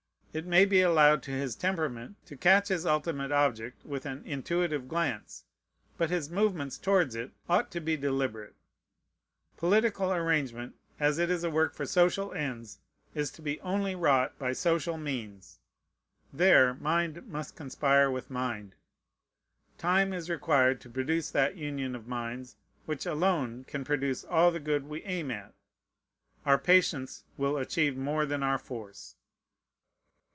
It may be allowed to his temperament to catch his ultimate object with an intuitive glance; but his movements towards it ought to be deliberate. Political arrangement, as it is a work for social ends, is to be only wrought by social means. There mind must conspire with mind. Time is required to produce that union of minds which alone can produce all the good we aim at. Our patience will achieve more than our force.